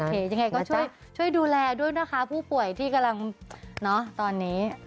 ยังไงก็ช่วยดูแลด้วยนะคะผู้ป่วยที่กำลังเนอะตอนนี้